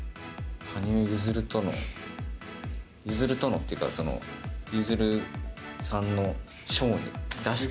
羽生結弦との、結弦とのっていうか、結弦さんのショーに出して。